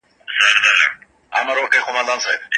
بې ځایه ارمانونه نه کېږي.